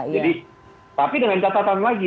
jadi tapi dengan catatan lagi